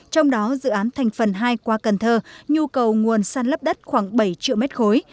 trong đó dự án thành phần hai qua cần thơ nhu cầu nguồn săn lấp đất khoảng bảy triệu mét khối